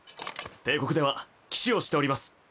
帝国では騎士をしております。